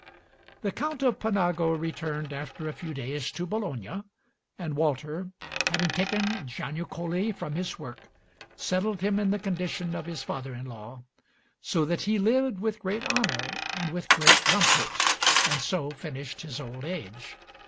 The Count of Panago returned after a few days to Bologna, and Walter, having taken Giannucoli from his work, settled him in the condition of his father in law, so that he lived with great honor and with great comfort and so finished his old age.